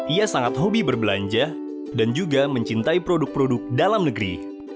ia sangat hobi berbelanja dan juga mencintai produk produk dalam negeri